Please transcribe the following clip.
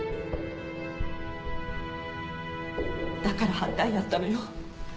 だから反対やったのよ。